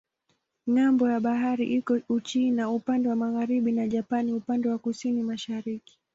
Ng'ambo ya bahari iko Uchina upande wa magharibi na Japani upande wa kusini-mashariki.